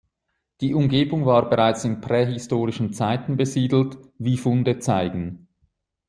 Die Umgebung war bereits in prähistorischen Zeiten besiedelt, wie Funde zeigen.